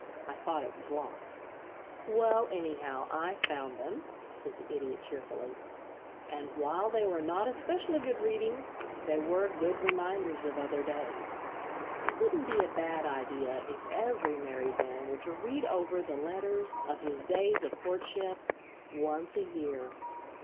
"I thought it was locked." "Well, anyhow, I found them," said the Idiot, cheerfully; "and while they were not especially good reading, they were good reminders of other days. It wouldn't be a bad idea if every married man were to read over the letters of his days of courtship once a year.